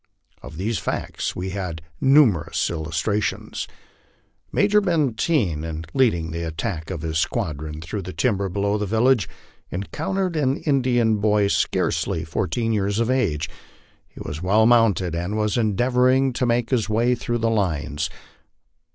Of these facts we had numer ous illustrations. Major Benteen, in leading the attack of his squadron through the timber below the village, encountered an Indian boy, scarcely fourteen years of age; he was well mounted, and was endeavoring to make his way through the lines.